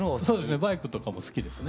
バイクとかも好きですね。